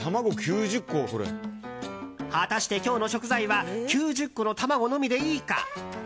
果たして、今日の食材は９０個の卵のみでいいか。